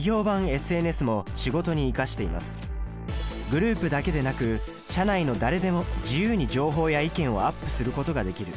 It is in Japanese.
グループだけでなく社内の誰でも自由に情報や意見をアップすることができる